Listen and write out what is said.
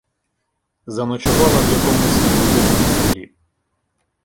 Заночувала в якомусь невеликому селі.